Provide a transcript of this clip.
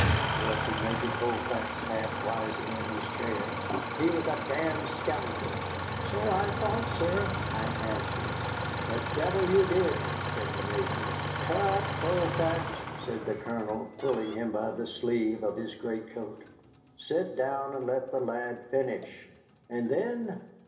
interrupted Major Colfax, half rising in his chair. "He was a damned scoundrel." "So I thought, sir," I answered. "The devil you did!" said the Major. "Tut, Colfax," said the Colonel, pulling him by the sleeve of his greatcoat, "sit down and let the lad finish. And then?"